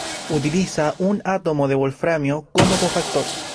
Utiliza un átomo de wolframio como cofactor.